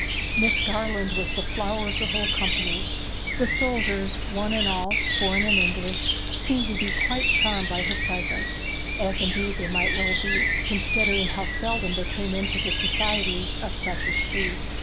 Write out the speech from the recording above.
Miss Garland was the flower of the whole company; the soldiers one and all, foreign and English, seemed to be quite charmed by her presence, as indeed they well might be, considering how seldom they came into the society of such as she.